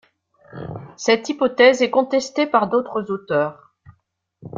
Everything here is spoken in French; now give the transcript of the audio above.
Cette hypothèse est contestée par d'autres auteurs.